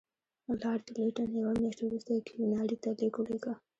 لارډ لیټن یوه میاشت وروسته کیوناري ته لیک ولیکه.